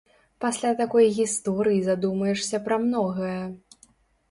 Пасля такой гісторыі задумаешся пра многае.